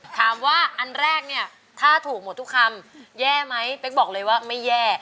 อันแรกเนี่ยถ้าถูกหมดทุกคำแย่ไหมเป๊กบอกเลยว่าไม่แย่